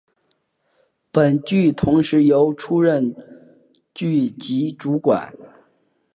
本剧同时由出任剧集主管。